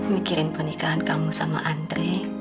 mikirin pernikahan kamu sama andre